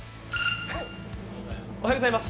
おはようございます。